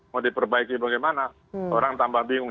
mau diperbaiki bagaimana orang tambah bingung